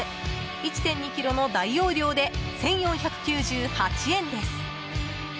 １．２ｋｇの大容量で１４９８円です。